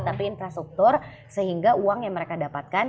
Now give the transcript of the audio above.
tapi infrastruktur sehingga uang yang mereka dapatkan